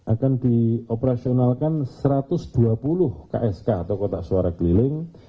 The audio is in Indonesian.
akan dioperasionalkan satu ratus dua puluh ksk atau kotak suara keliling